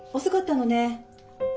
遅かったのね。